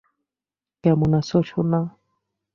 কেমন আছো, সোনা?